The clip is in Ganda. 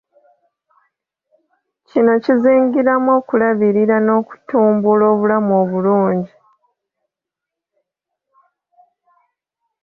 Kino kizingiramu okulabirira n’okutumbula obulamu obulungi.